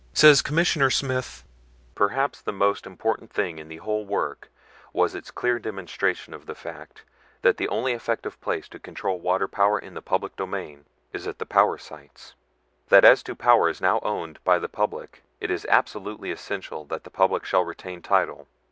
Says Commissioner Smith: "Perhaps the most important thing in the whole work was its clear demonstration of the fact that the only effective place to control water power in the public interest is at the power sites; that as to powers now owned by the public it is absolutely essential that the public shall retain title.